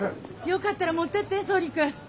よかったら持ってって総理君。